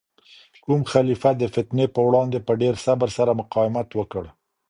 کوم خلیفه د فتنې په وړاندې په ډیر صبر سره مقاومت وکړ؟